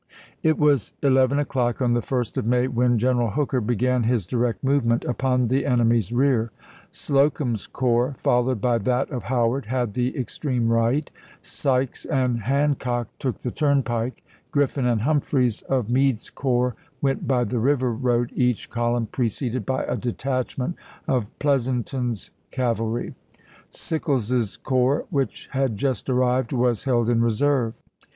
It was eleven o'clock on the 1st of May when G eneral Hooker began his direct movement upon the enemy's rear. Slocum's corps, followed by that of Howard, had the extreme right, Sykes and Han cock took the turnpike, Griffin and Humphreys of Meade's corps went by the river road, each column preceded by a detachment of Pleasonton's cav alry. Sickles's corps, which had just arrived, was held in reserve.